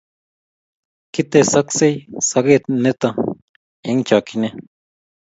kitesoksei soket neto eng' chokchine